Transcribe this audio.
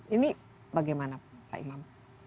ini bagaimana pak imam